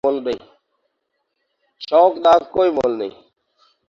شوق دا کوئ مُل نہیں۔